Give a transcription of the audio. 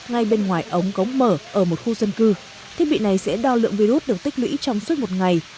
ngay bên ngoài ống cống mở ở một khu dân cư thiết bị này sẽ đo lượng virus được tích lũy trong suốt một ngày